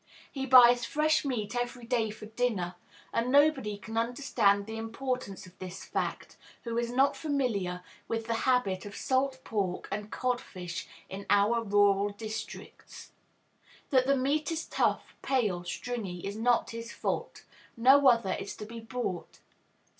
He buys fresh meat every day for dinner; and nobody can understand the importance of this fact who is not familiar with the habit of salt pork and codfish in our rural districts. That the meat is tough, pale, stringy is not his fault; no other is to be bought.